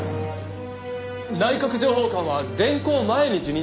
内閣情報官は連行前に辞任届を？